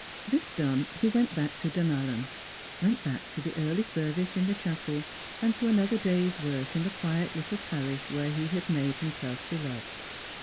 This done, he went back to Dunallen, went back to the early service in the chapel, and to another day's work in the quiet little parish where he had made himself beloved.